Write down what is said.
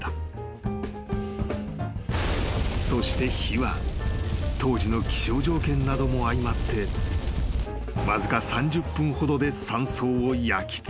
［そして火は当時の気象条件なども相まってわずか３０分ほどで山荘を焼き尽くした］